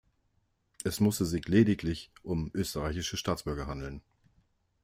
Es musste sich lediglich um österreichische Staatsbürger handeln.